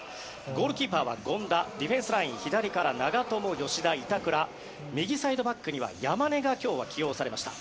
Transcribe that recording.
ゴールキーパーは権田ディフェンスライン左から長友、吉田、板倉右サイドバックには山根が今日は起用されました。